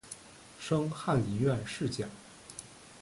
升翰林院侍讲。